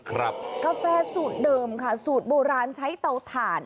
กาแฟสูตรเดิมค่ะสูตรโบราณใช้เตาถ่าน